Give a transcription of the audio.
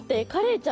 ちゃん